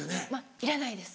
いらないです。